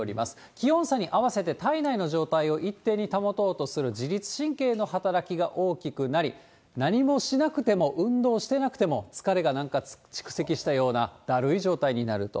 気温差に合わせて体内の状態を一定に保とうとする自律神経の働きが大きくなり、何もしなくても運動していなくても、疲れがなんか蓄積したような、だるい状態になると。